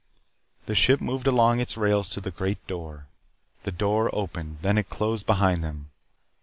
The ship moved along its rails to the Great Door. The door opened. Then it closed behind them.